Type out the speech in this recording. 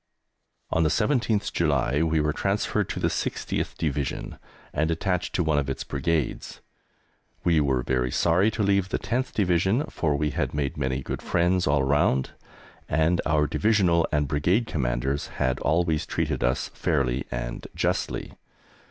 On the 17th July we were transferred to the 60th Division and attached to one of its Brigades. We were very sorry to leave the 10th Division, for we had made many good friends all round, and our Divisional and Brigade Commanders had always treated us fairly and justly.